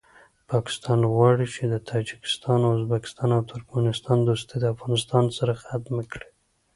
پاکستان غواړي چې د تاجکستان ازبکستان او ترکمستان دوستي د افغانستان سره ختمه کړي